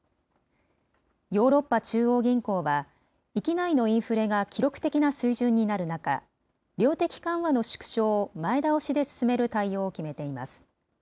ヨーロッパ中央銀行は域内のインフレが記録的な水準になる中、量的緩和の縮小を前倒しで進める対応を決めています。